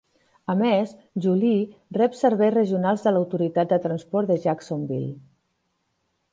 A més, Yulee rep serveis regionals de l'Autoritat de Transport de Jacksonville.